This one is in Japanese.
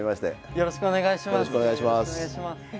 よろしくお願いします。